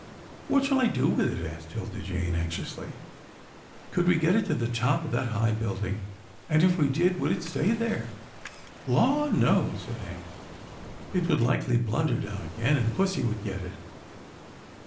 "What shall I do with it?" asked 'Tilda Jane, anxiously, " could we get it to the top of that high building, and if we did, would it stay there? "" Law no," said Hank, " it would likely blunder down again, and pussy would get it.